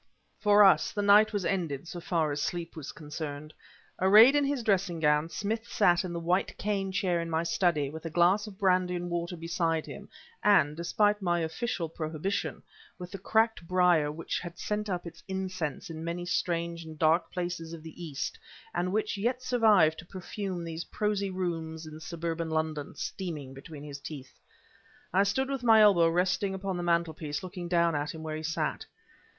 For us, the night was ended so far as sleep was concerned. Arrayed in his dressing gown, Smith sat in the white cane chair in my study with a glass of brandy and water beside him, and (despite my official prohibition) with the cracked briar which had sent up its incense in many strange and dark places of the East and which yet survived to perfume these prosy rooms in suburban London, steaming between his teeth. I stood with my elbow resting upon the mantelpiece looking down at him where he sat.